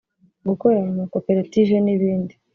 gukorera mu ma koperative n’ibindi